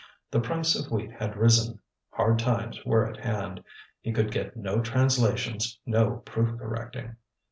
The price of wheat had risen. Hard times were at hand. He could get no translations, no proof correcting.